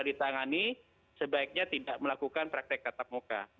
ditangani sebaiknya tidak melakukan praktek tatap muka